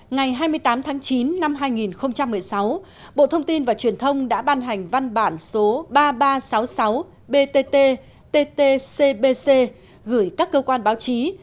ngày hai mươi tám tháng chín năm hai nghìn một mươi sáu bộ thông tin và truyền thông đã ban hành văn bản số ba nghìn ba trăm sáu mươi sáu btt ttcbc gửi các cơ quan báo chí